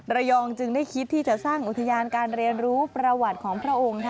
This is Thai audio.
จึงได้คิดที่จะสร้างอุทยานการเรียนรู้ประวัติของพระองค์